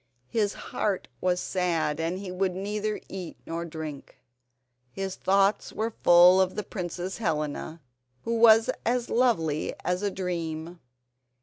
His heart was sad and he would neither eat nor drink. His thoughts were full of the Princess Helena, who was as lovely as a dream.